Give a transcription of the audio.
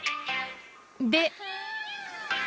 で。